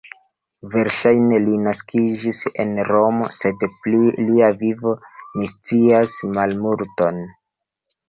Verŝajne li naskiĝis en Romo, sed pri lia vivo ni scias malmulton.